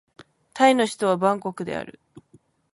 タイの首都はバンコクである